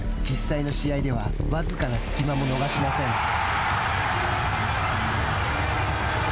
実際の試合では僅かな隙間も逃しません。